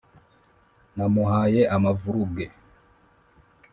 namuhaye amavuruge